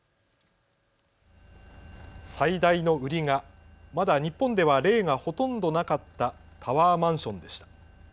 最大の売りがまだ日本では例がほとんどなかったタワーマンションでした。